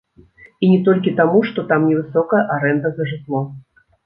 І не толькі таму што там невысокая арэнда за жытло.